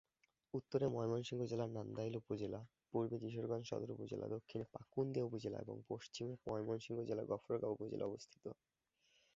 উত্তরে ময়মনসিংহ জেলার নান্দাইল উপজেলা, পূর্বে কিশোরগঞ্জ সদর উপজেলা, দক্ষিণে পাকুন্দিয়া উপজেলা এবং পশ্চিমে ময়মনসিংহ জেলার গফরগাঁও উপজেলা অবস্থিত।